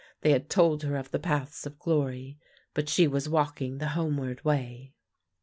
They had told her of the paths of glory; but she was walking the homeward way.